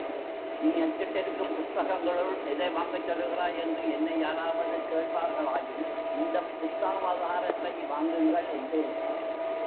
நீ அச்சிட்டிருக்கும் புஸ்தகங்களுள், எதை வாங்கச் சொல்லுகிறாய்? என்று என்னை யாராவது கேட்பார்களாயின், இந்தப் புத்தாவதாரத்தை வாங்குங்கள் என்பேன்.